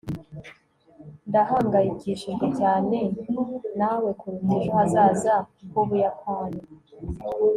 ndahangayikishijwe cyane nawe kuruta ejo hazaza h'ubuyapani